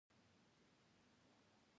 د پخلا کولو هڅه د سولې کار دی.